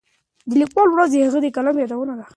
د لیکوالو ورځ د هغوی د قلم یادونه ده.